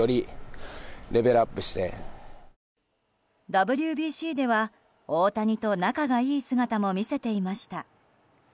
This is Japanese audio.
ＷＢＣでは大谷と仲がいい姿も見せていました。